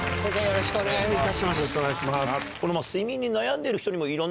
よろしくお願いします。